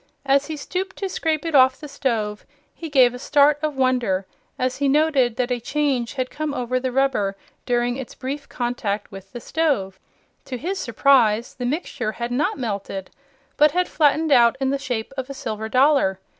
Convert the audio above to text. As he stooped to scrape it off the stove he gave a start of wonder as he noted that a change had come over the rubber during its brief contact with the stove. To his surprise the mixture had not melted, but had flattened out in the shape of a silver dollar.